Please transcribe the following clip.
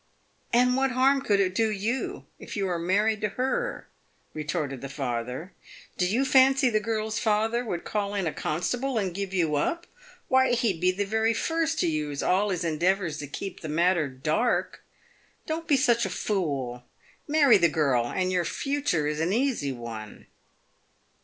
" And what harm could it do you, if you are married to her ?" re torted the father. " Do you fancy the girl's father would call in a con stable and give you up ? Why, he'd be the very first to use all his en deavours to keep the matter dark. Don't be such a fool. Marry the girl, and your future is an easy one."